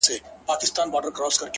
ها د فلسفې خاوند ها شتمن شاعر وايي-